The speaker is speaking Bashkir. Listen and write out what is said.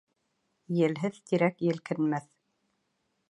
Елһеҙ тирәк елкенмәҫ